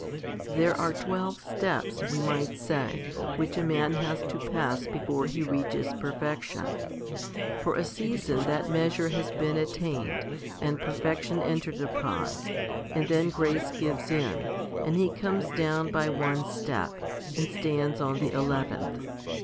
4. There are twelve steps, we might say, which a man has to pass before he reaches perfection. For a season that HOMILY VIII 67 measure has been attained, and perfection entered upon ; and then grace gives in, and he comes down by one step, and stands on the eleventh.